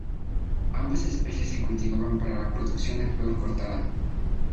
Ambas especies se cultivan para la producción de flor cortada.